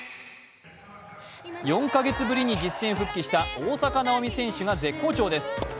４カ月ぶりに実戦復帰した大坂なおみ選手が絶好調です。